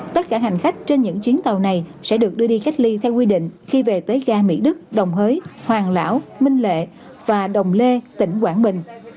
tất cả hành khách trên những chuyến tàu này sẽ được đưa đi cách ly theo quy định khi về tới ga mỹ đức đồng hới hoàng lão minh lệ và đồng lê tỉnh quảng bình